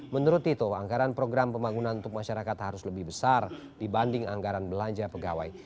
menurut tito anggaran program pembangunan untuk masyarakat harus lebih besar dibanding anggaran belanja pegawai